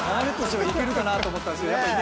⁉いけるかなと思ったんですけど。